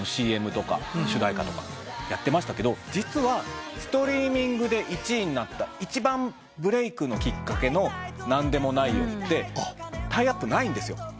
ＣＭとか主題歌とかやってましたけど実はストリーミングで１位になった一番ブレークのきっかけの『なんでもないよ、』ってタイアップないんですよ。